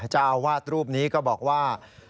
จะวาดลั่งรูปนี้ก็บอกว่า